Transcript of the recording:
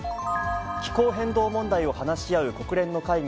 気候変動問題を話し合う国連の会議